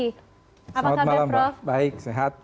selamat malam baik sehat